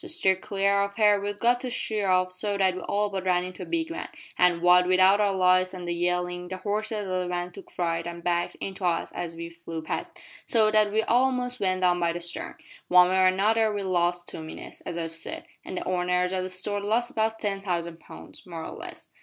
To steer clear of her we'd got to sheer off so that we all but ran into a big van, and, what wi' our lights an' the yellin', the horses o' the van took fright and backed into us as we flew past, so that we a'most went down by the starn. One way or another we lost two minutes, as I've said, an' the owners o' that store lost about ten thousand pounds more or less.'"